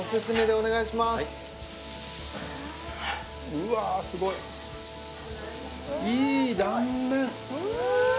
うわあすごいいい断面！